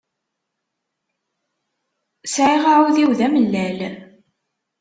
Sɛiɣ aɛudiw d amellal.